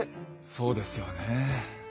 そうですよね。